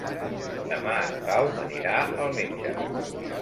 Demà en Pau anirà al metge.